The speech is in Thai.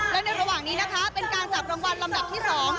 และในระหว่างนี้นะคะเป็นการจับรางวัลลำดับที่๒